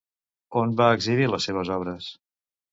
On van exhibir les seves obres?